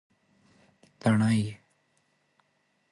تڼۍ